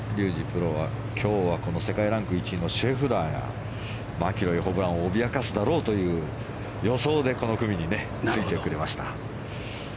プロは世界ランク１位のシェフラーがマキロイ、ホブランを脅かすだろうという予想でこの組についてくれました。